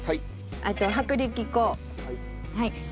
あと薄力粉卵。